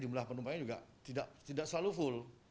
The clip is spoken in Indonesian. jumlah penumpangnya juga tidak selalu full